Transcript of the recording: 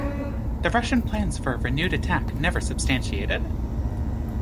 The Russian plans for a renewed attack never substantiated.